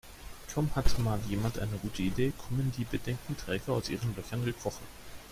Kaum hat mal jemand eine gute Idee, kommen die Bedenkenträger aus ihren Löchern gekrochen.